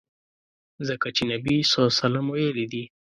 ځکه چي نبي ص ویلي دي.